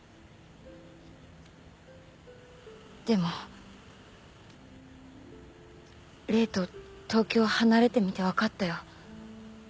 でも麗と東京を離れてみて分かったよ。